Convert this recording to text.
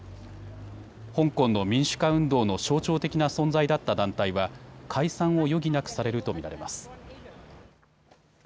香港の民主化運動の象徴的な存在だった団体は解散を余儀なくされると見られます。